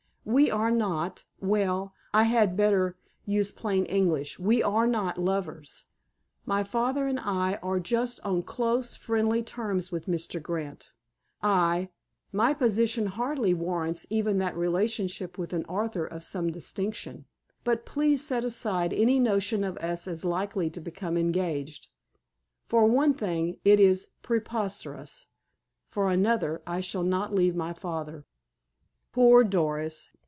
We are not—well, I had better use plain English—we are not lovers. My father and I are just on close, friendly terms with Mr. Grant. I—my position hardly warrants even that relationship with an author of some distinction. But please set aside any notion of us as likely to become engaged. For one thing, it is preposterous. For another, I shall not leave my father." Poor Doris!